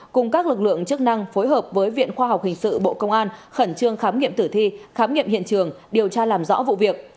cùng các lực lượng chức năng phối hợp với viện khoa học hình sự bộ công an khẩn trương khám nghiệm tử thi khám nghiệm hiện trường điều tra làm rõ vụ việc